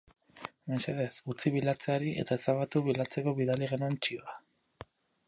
Mesedez, utzi bilatzeari eta ezabatu bilatzeko bidali genuen txioa.